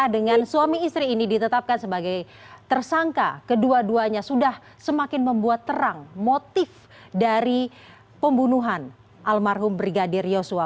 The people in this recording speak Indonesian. dengan suami istri ini ditetapkan sebagai tersangka kedua duanya sudah semakin membuat terang motif dari pembunuhan almarhum brigadir yosua